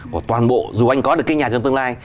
của toàn bộ dù anh có được cái nhà trong tương lai